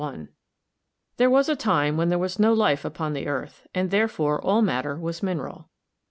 There was a time when there was no life upon the earth, and, therefore, all matter was mineral.